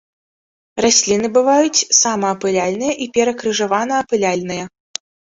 Расліны бываюць самаапыляльныя і перакрыжаванаапыляльныя.